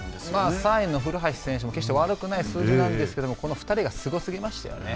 ３位の古橋選手も決して悪くない数字なんですけどこの２人がすごすぎましたよね。